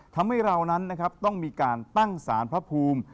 ทำให้เรานั้นต้องมีการตั้งป้องของท่านพระพูม